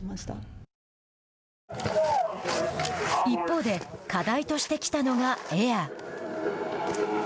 一方で課題としてきたのがエア。